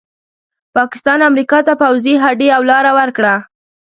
پاکستان امریکا ته پوځي هډې او لاره ورکړه.